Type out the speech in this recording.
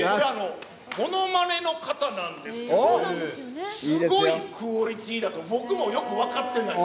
ものまねの方なんですけど、すごいクオリティーだと、僕もよく分かってない。